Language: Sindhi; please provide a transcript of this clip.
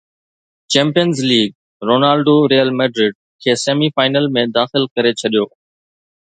champions league Ronaldo Real Madrid کي سيمي فائنل ۾ داخل ڪري ڇڏيو